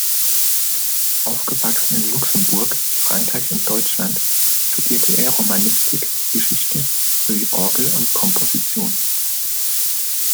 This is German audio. Aufgewachsen in Luxemburg, Frankreich und Deutschland, studierte er Romanistik, Geschichte sowie Orgel und Komposition.